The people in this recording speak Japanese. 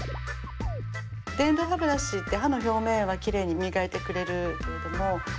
電動歯ブラシって歯の表面はきれいに磨いてくれるけれども。